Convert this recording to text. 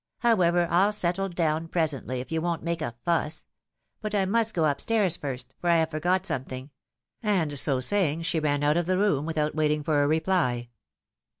" However, I'll settle down presently if you won't make a fuss ; but I must go up stairs first, for I have forgot something ;" and so saying, she ran out of the room without waiting for a reply.